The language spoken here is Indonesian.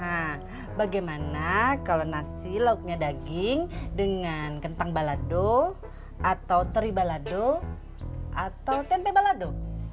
nah bagaimana kalau nasi lauknya daging dengan kentang balado atau teri balado atau tempe balado